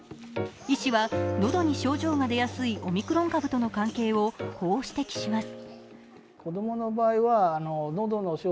医師は、喉に症状が出やすいオミクロン株との関係をこう指摘します。